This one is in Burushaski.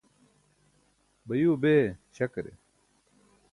bayuuwa bee śakare?